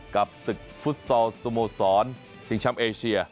กับศึกฟุตซอลสโมสรชิงแชมป์เอเชีย